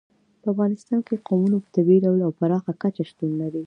په افغانستان کې قومونه په طبیعي ډول او پراخه کچه شتون لري.